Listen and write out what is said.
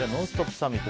サミット。